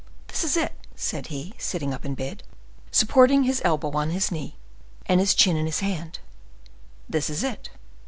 "This is it," said he, sitting up in bed, supporting his elbow on his knee, and his chin in his hand;—"this is it.